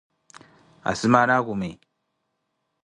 asimaana akumi?